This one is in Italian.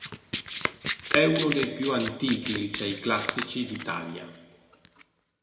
È uno dei più antichi licei classici d'Italia.